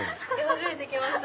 初めて来ました。